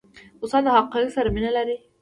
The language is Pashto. استاد د حقایقو سره مینه لري.